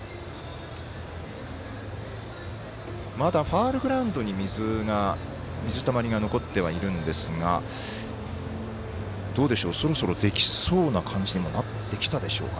まだファウルグラウンドに水たまりが残ってはいるんですがどうでしょう、そろそろできそうな感じにもなってきたでしょうか。